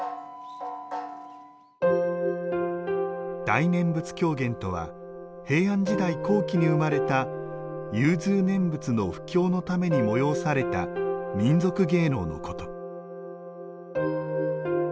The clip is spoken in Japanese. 大念仏狂言とは平安時代後期に生まれた融通念仏の布教のために催された民俗芸能のこと。